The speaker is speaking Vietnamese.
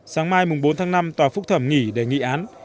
sáng mai bốn tháng năm tòa phúc thẩm nghỉ để nghị án